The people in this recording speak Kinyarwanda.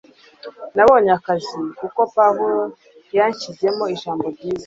Nabonye akazi kuko Pawulo yanshizemo ijambo ryiza